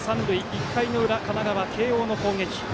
１回裏、神奈川・慶応の攻撃。